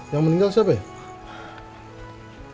yang meninggal siapa ya